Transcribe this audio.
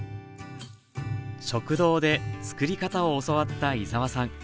食堂でつくり方を教わった井澤さん。